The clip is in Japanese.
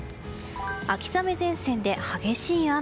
秋雨前線で激しい雨。